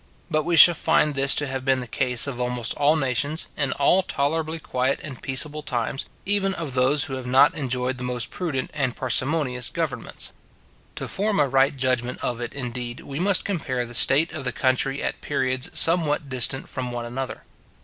But we shall find this to have been the case of almost all nations, in all tolerably quiet and peaceable times, even of those who have not enjoyed the most prudent and parsimonious governments. To form a right judgment of it, indeed, we must compare the state of the country at periods somewhat distant from one another.